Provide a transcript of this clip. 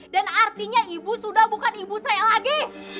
dan artinya ibu sudah bukan ibu saya lagi